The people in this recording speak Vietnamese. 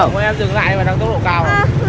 bọn em dừng lại bọn em đang tốc độ cao rồi